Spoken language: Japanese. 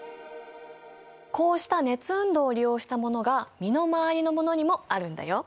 こうした熱運動を利用したものが身の回りのものにもあるんだよ。